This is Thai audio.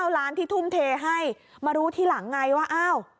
ล้านที่ทุ่มเทให้มารู้ทีหลังไงว่าอ้าว